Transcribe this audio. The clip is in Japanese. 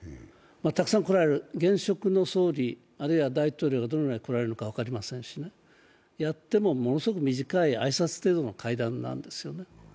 たくさん来られる、現職の総理、あるいは大統領がどのくらい来られるのか分かりませんしやってもものすごく短い挨拶程度の会談なんですよね。